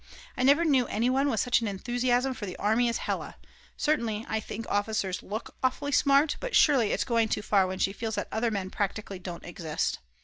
I never knew anyone with such an enthusiasm for the army as Hella; certainly I think officers look awfully smart; but surely it's going too far when she feels that other men practically don't exist.